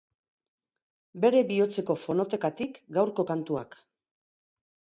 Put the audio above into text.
Bere bihotzeko fonotekatik gaurko kantuak.